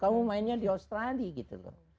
kamu mainnya di australia gitu loh